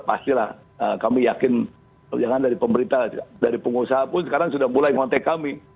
pastilah kami yakin jangan dari pemerintah dari pengusaha pun sekarang sudah mulai ngontek kami